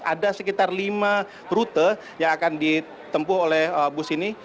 ada sekitar lima rute yang akan ditempuh oleh bus ini